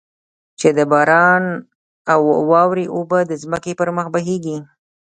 چې د باران او واورې اوبه د ځمکې پر مخ بهېږي.